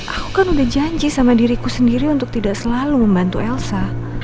aku kan udah janji sama diriku sendiri untuk tidak selalu membantu elsa